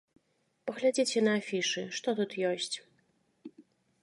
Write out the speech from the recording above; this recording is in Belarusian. Паглядзіце на афішы, што тут ёсць?